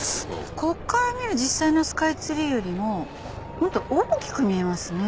ここから見る実際のスカイツリーよりももっと大きく見えますね。